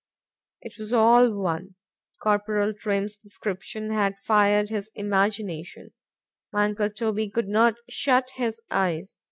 —'Twas all one.—Corporal Trim's description had fired his imagination,—my uncle Toby could not shut his eyes.